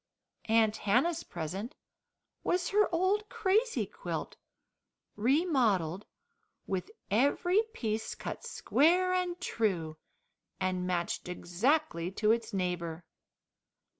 Aunt Hannah's present was her old crazy quilt, remodelled, with every piece cut square and true, and matched exactly to its neighbour.